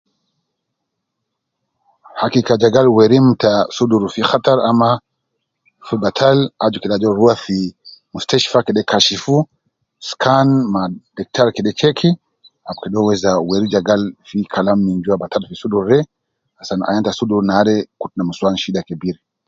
Hakika je gal werim ta sudur fi hattar ama fi batal aju kede ajol rua fi mustashtfa kede kashifu scan ma diktar kede checki ma kede uwo weri je gal gi Kalam batal min jua fi sudur de, misan ayan te sudur nare kutu ne nusuwan shida kebir